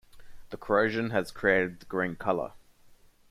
The corrosion has created the green color.